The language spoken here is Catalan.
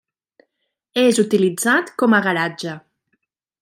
És utilitzat com a garatge.